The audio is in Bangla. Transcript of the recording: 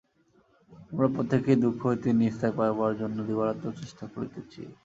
আমরা প্রত্যেকেই দুঃখ হইতে নিস্তার পাইবার জন্য দিবারাত্র চেষ্টা করিতেছি।